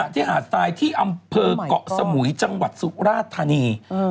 ที่หาดทรายที่อำเภอกเกาะสมุยจังหวัดสุราธานี